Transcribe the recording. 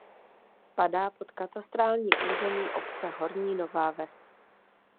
Spadá pod katastrální území obce Horní Nová Ves.